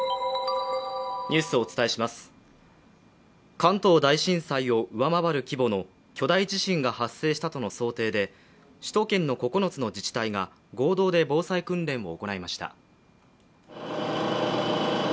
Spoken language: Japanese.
関東大震災を上回る規模の巨大地震が発生したとの想定で首都圏の９つの自治体が合同で防災訓練を行いました。